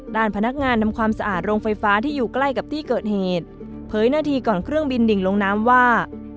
ด้านพนักงานนำความสะอาดโรงไฟฟ้าที่อยู่ใกล้กับที่เกิดเหตุเผยหน้าที่ก่อนเครื่องบินดิ่งลงน้ำว่า